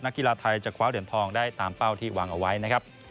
กีฬาไทยจะคว้าเหรียญทองได้ตามเป้าที่วางเอาไว้นะครับ